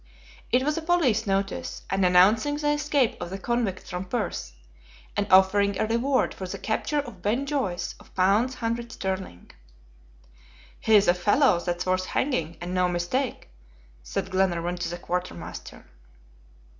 It was a police notice, and announcing the escape of the convicts from Perth, and offering a reward for the capture of Ben Joyce of pounds 100 sterling. "He's a fellow that's worth hanging, and no mistake," said Glenarvan to the quartermaster.